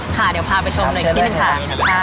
ค่ะเดี๋ยวพาไปชมหน่อยกันนิดนึงค่ะ